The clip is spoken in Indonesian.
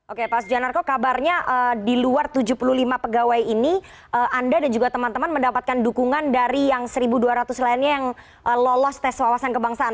oke pak sujanarko kabarnya di luar tujuh puluh lima pegawai ini anda dan juga teman teman mendapatkan dukungan dari yang satu dua ratus lainnya yang lolos tes wawasan kebangsaan